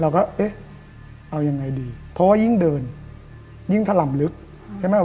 เราก็เอ๊ะเอายังไงดีเพราะว่ายิ่งเดินยิ่งถล่ำลึกใช่ไหม